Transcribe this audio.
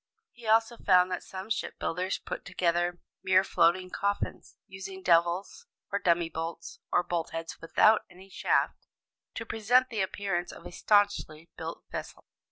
'" He also found that some ship builders put together mere floating coffins, using "devils," or dummy bolts, or bolt heads without any shaft, to present the appearance of a staunchly built vessel.